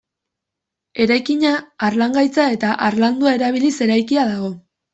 Eraikina harlangaitza eta harlandua erabiliz eraikia dago.